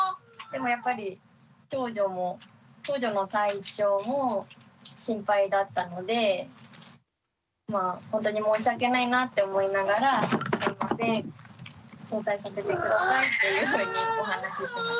でもやっぱり長女の体調も心配だったのでほんとに申し訳ないなって思いながら「すいません早退させて下さい」っていうふうにお話ししました。